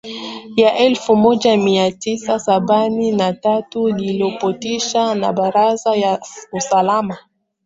la elfu moja mia tisa sabini na tatu lilopitishwa na baraza la usalama